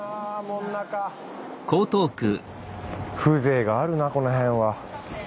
風情があるなこの辺は。